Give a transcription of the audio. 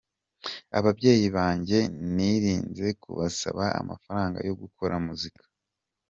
Ababyeyi banjye nirinze kubasaba amafaranga yo gukora muzika.